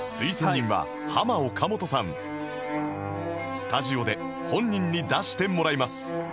スタジオで本人に出してもらいます